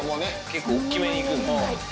結構大きめに行くんだ。